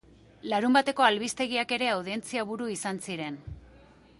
Larunbateko albistegiak ere audientzia-buru izan ziren.